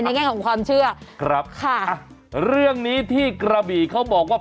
แง่ของความเชื่อครับค่ะอ่ะเรื่องนี้ที่กระบี่เขาบอกว่า